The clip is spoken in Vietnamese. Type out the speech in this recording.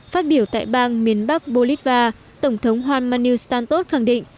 phát biểu tại bang miền bắc bolivar tổng thống juan manuel santos khẳng định